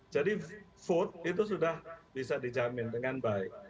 jadi vote itu sudah bisa dijamin dengan baik